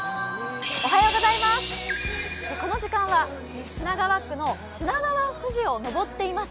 この時間は品川区の品川富士を登っています。